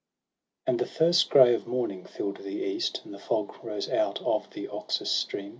A ND the first grey of morning fill'd the east, And the fog rose out of the Oxus stream.